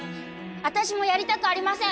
私もやりたくありません！